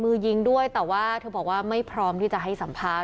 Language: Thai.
มือยิงด้วยแต่ว่าเธอบอกว่าไม่พร้อมที่จะให้สัมภาษณ